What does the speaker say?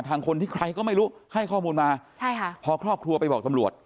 ทางคนที่ใครก็ไม่รู้ให้ข้อมูลมาใช่ค่ะพอครอบครัวไปบอกตำรวจ